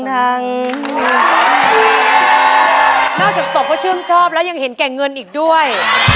นอกจากตบก็ชื่นชอบแล้วยังเห็นแก่เงินอีกด้วย